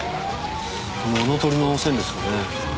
物取りの線ですかね。